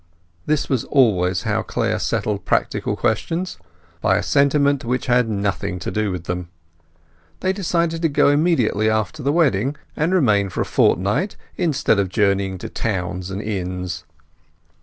This was always how Clare settled practical questions; by a sentiment which had nothing to do with them. They decided to go immediately after the wedding, and remain for a fortnight, instead of journeying to towns and inns.